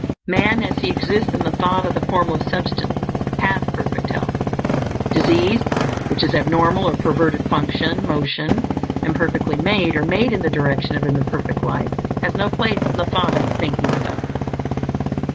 Man, as he exists in the thought of the Formless Substance, has perfect health. Disease, which is abnormal or perverted function motion imperfectly made, or made in the direction of imperfect life has no place in the thought of the Thinking Stuff.